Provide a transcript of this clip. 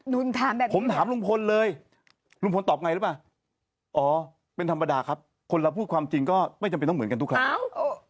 ถามแบบนี้ผมถามลุงพลเลยลุงพลตอบไงหรือเปล่าอ๋อเป็นธรรมดาครับคนเราพูดความจริงก็ไม่จำเป็นต้องเหมือนกันทุกครั้ง